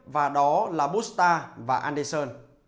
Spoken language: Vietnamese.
và đó là busta và anderson